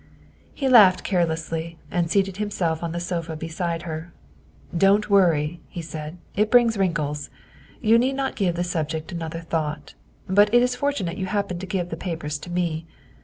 '' He laughed carelessly and seated himself on the sofa beside her. " Don't worry," he said, " it brings wrinkles. You need not give the subject another thought, but it is fortunate you happened to give the papers to me.